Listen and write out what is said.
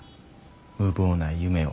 無謀な夢を。